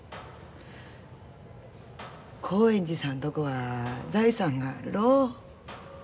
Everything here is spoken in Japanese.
興園寺さんとこは財産があるろ。